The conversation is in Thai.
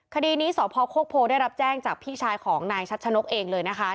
คดีนี้สพโคกโพได้รับแจ้งจากพี่ชายของนายชัดชะนกเองเลยนะคะ